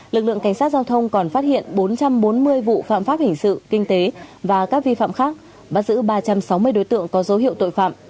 lực lượng cảnh sát giao thông còn phát hiện bốn trăm bốn mươi vụ phạm pháp hình sự kinh tế và các vi phạm khác bắt giữ ba trăm sáu mươi đối tượng có dấu hiệu tội phạm